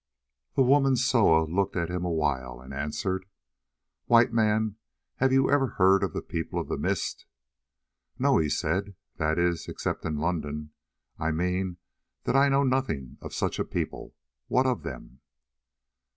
The woman Soa looked at him awhile, and answered: "White Man, have you ever heard of the People of the Mist?" "No," he said, "that is, except in London. I mean that I know nothing of such a people. What of them?"